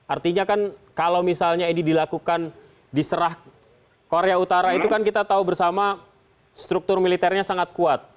artinya kan kalau misalnya ini dilakukan diserah korea utara itu kan kita tahu bersama struktur militernya sangat kuat